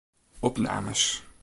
Opnames.